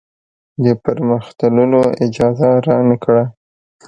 د پر مخ تللو اجازه رانه کړه.